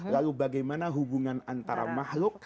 lalu bagaimana hubungan antara makhluk